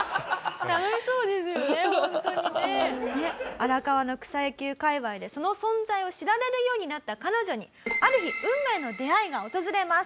荒川の草野球界隈でその存在を知られるようになった彼女にある日運命の出会いが訪れます。